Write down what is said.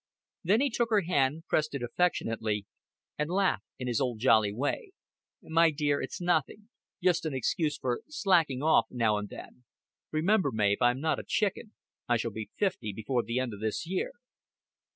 Then he took her hand, pressed it affectionately, and laughed in his old jolly way. "My dear, it's nothing just an excuse for slacking off now and then. Remember, Mav, I am not a chicken. I shall be fifty before th' end of this year."